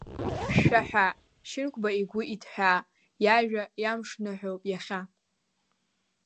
Шәшәаҳәа Шьынқәба игәы иҭҳәаа, иажәа иамшныҳәоуп иахьа.